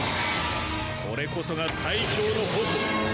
これこそが最強の矛。